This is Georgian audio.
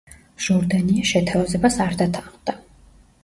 ჟორდანია შეთავაზებას არ დათანხმდა.